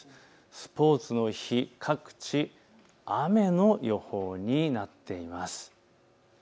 スポーツの日、各地、雨の予報になっています。